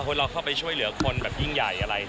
แล้วน้องเขาไปช่วยเหลือคนยิ่งใหญ่อะไร